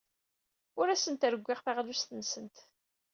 Ur asent-rewwiɣ taɣlust-nsent.